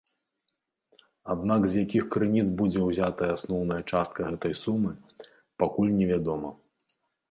Аднак з якіх крыніц будзе ўзятая асноўная частка гэтай сумы, пакуль невядома.